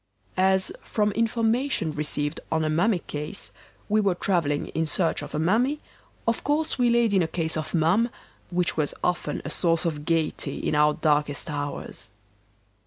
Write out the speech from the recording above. As, from information received on a mummy case, we were travelling in search of a mummy, of course we laid in a case of Mumm, which was often a source of gaiety in our darkest hours.